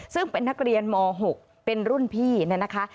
ซึ่งเป็นนักเรียนม๖เป็นรุ่นพี่เนี่ยนะคะ